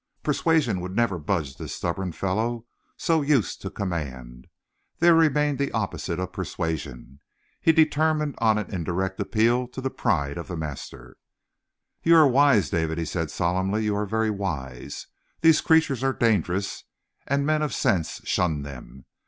Persuasion would never budge this stubborn fellow so used to command. There remained the opposite of persuasion. He determined on an indirect appeal to the pride of the master. "You are wise, David," he said solemnly. "You are very wise. These creatures are dangerous, and men of sense shun them.